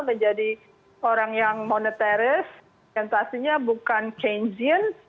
menjadi orang yang monetaris tentasinya bukan keynesian